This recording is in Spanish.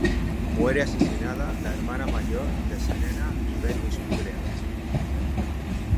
Muere asesinada la hermana mayor de Serena y Venus Williams.